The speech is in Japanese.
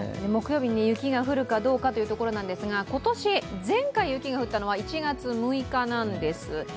木曜日に雪が降るかどうかというところですが、今年、前回雪が降ったのは１月６日なんです。